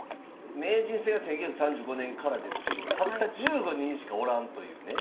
名人戦は１９３５年からですけどたった１５人しかおらんというね。